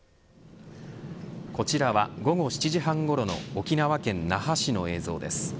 こちらは午後７時半ごろの沖縄県那覇市の映像です。